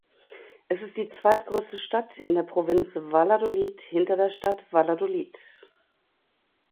Es ist die zweitgrößte Stadt in der Provinz Valladolid hinter der Stadt Valladolid.